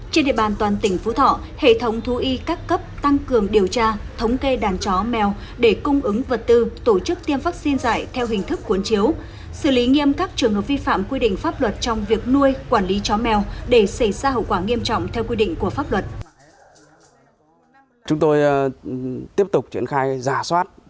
trên địa bàn toàn tỉnh phú thọ hệ thống thú y các cấp tăng cường điều tra thống kê đàn chó mèo để cung ứng vật tư tổ chức tiêm vaccine dạy theo hình thức cuốn chiếu xử lý nghiêm các trường hợp vi phạm quy định pháp luật trong việc nuôi quản lý chó mèo để xảy ra hậu quả nghiêm trọng theo quy định của pháp luật